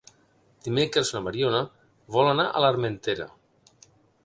Dimecres na Mariona vol anar a l'Armentera.